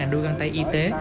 năm đôi găng tay y tế